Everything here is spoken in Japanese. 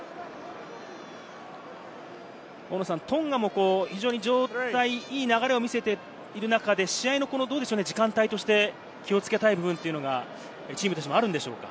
トンガも非常にいい状態、流れを見せている中で、試合の時間帯として気をつけたい部分というのがチームとしてもあるんでしょうか？